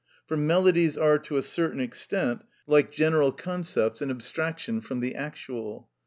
For melodies are to a certain extent, like general concepts, an abstraction from the actual.